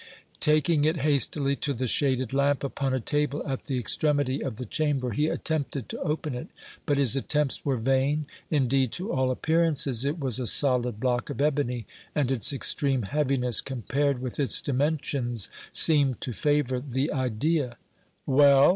Taking it hastily to the shaded lamp upon a table at the extremity of the chamber, he attempted to open it, but his attempts were vain. Indeed, to all appearances, it was a solid block of ebony, and its extreme heaviness, compared with its dimensions, seemed to favor the idea. "Well?"